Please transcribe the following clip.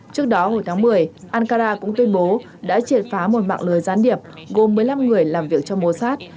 trước đó hồi tháng một mươi ankara cũng tuyên bố đã triệt phá một mạng lưới gián điệp gồm một mươi năm người làm việc trong mosat